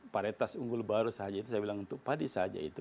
paritas unggul baru saja itu saya bilang untuk padi saja itu